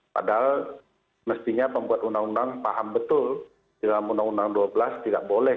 padahal mestinya pembuat undang undang paham betul dalam undang undang dua belas tidak boleh